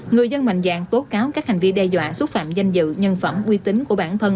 người dân mạnh dạng tố cáo các hành vi đe dọa xúc phạm danh dự nhân phẩm quy tính của bản thân